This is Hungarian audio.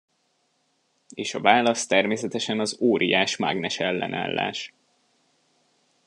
És a válasz természetesen az óriás-mágnesellenállás.